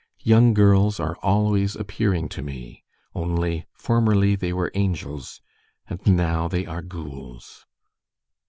"Young girls are always appearing to me, only formerly they were angels and now they are ghouls."